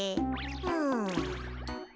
うん。